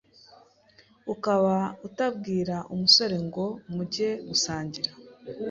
ukaba utabwira umusore ngo mujye gusangira,